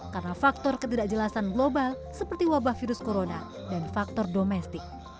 karena faktor ketidakjelasan global seperti wabah virus corona dan faktor domestik